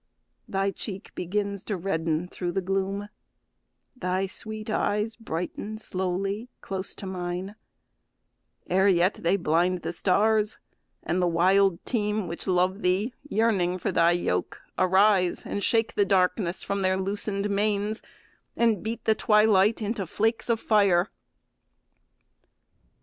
Thy cheek begins to redden thro' the gloom, Thy sweet eyes brighten slowly close to mine, Ere yet they blind the stars, and the wild team Which love thee, yearning for thy yoke, arise, And shake the darkness from their loosen'd manes, And beat the twilight into flakes of fire.